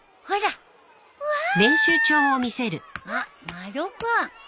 丸尾君。